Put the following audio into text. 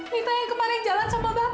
wanita yang kemarin jalan sama bapak